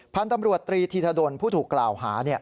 พันธุ์ตำรวจตรีธีธดลผู้ถูกกล่าวหา